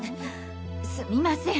すみません！